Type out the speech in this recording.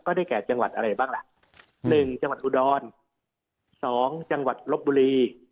ได้แก่จังหวัดอะไรบ้างล่ะ๑จังหวัดอุดรสองจังหวัดลบบุรี